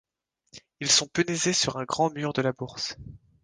Ils sont punaisés sur un grand mur de la bourse.